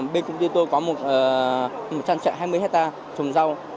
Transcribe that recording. bên công ty tôi có một trang trại hai mươi hectare trồng rau